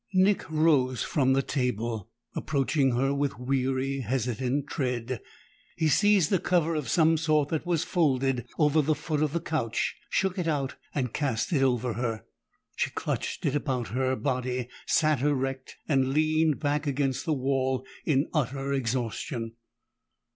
Nick rose from the table, approaching her with weary, hesitant tread. He seized a cover of some sort that was folded over the foot of the couch, shook it out and cast it over her. She clutched it about her body, sat erect and leaned back against the wall in utter exhaustion.